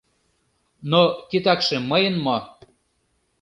Но титакше мыйын мо?